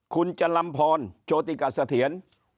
คุณจันลำพรโชติกัสเถียน